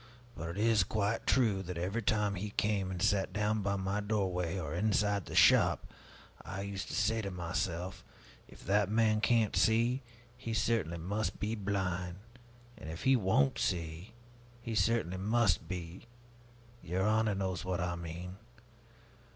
But it is quite true that every time he came and sat down by my doorway or inside the shop, I used to say to myself, 'If that man can't see, he certainly must be blind! and if he won't see, he certainly must be Your honor knows what I mean.